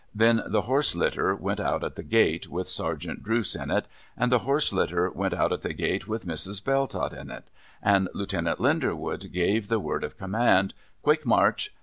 Then, the horse litter went out at the gate with Sergeant Drooce in it ; and the horse litter went out at the gate with Mrs. Belltott in it; and Lieutenant Linderwood gave the word of command, ' Quick march